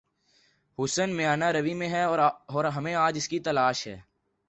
حسن میانہ روی میں ہے اور ہمیں آج اسی کی تلاش ہے۔